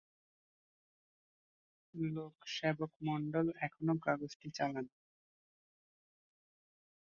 লোক সেবক মণ্ডল এখনও কাগজটি চালান।